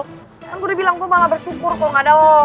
kan gue udah bilang gue malah bersyukur kalo gak ada lo